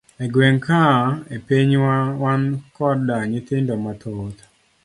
E gwengwa ka e pinywa wan koda nyithindo mathoth.